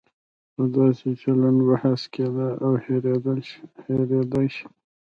په داسې چلن بحث کېدای او هېریدای شي.